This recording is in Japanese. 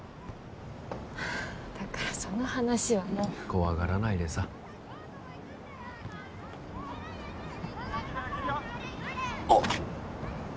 だからその話はもう怖がらないでさおっ！